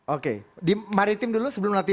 oke di maritim dulu sebelum nanti